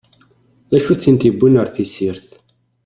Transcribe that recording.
D acu i ten-id-yewwin ar tessirt?